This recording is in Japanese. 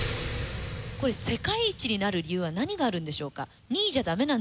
これ世界一になる理由は何があるんでしょうか？